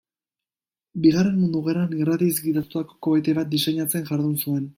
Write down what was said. Bigarren Mundu Gerran irratiz gidatutako kohete bat diseinatzen jardun zuen.